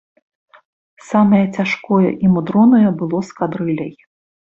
Самае цяжкое і мудронае было з кадрыляй.